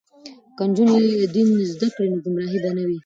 که نجونې دین زده کړي نو ګمراهي به نه وي.